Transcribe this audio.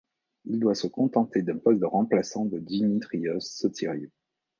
Il doit se contenter d'un poste de remplaçant de Dimitrios Sotiriou.